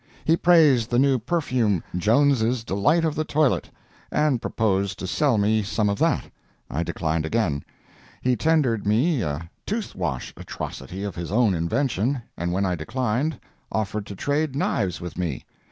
He praised the new perfume, "Jones's Delight of the Toilet," and proposed to sell me some of that. I declined again. He tendered me a tooth wash atrocity of his own invention, and when I declined, offered to trade knives with me.